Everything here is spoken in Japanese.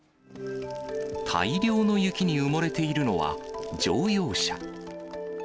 大量の雪に埋もれているのは、乗用車。